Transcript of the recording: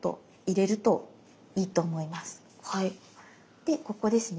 でここですね